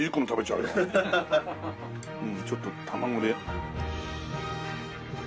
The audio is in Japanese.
うんちょっと卵で。